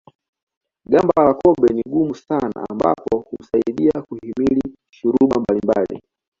Gamba la kobe ni gumu sana ambapo humsaidia kuhimili shuruba mbalimbali